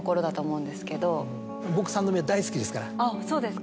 あっそうですか。